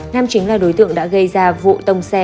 nam chính là đối tượng đã gây ra vụ tông xe